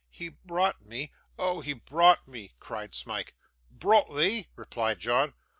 'He brought me; oh! he brought me,' cried Smike. 'Brout thee!' replied John.